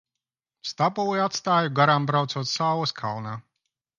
Stabuli atstāju garām braucot saules kalnā.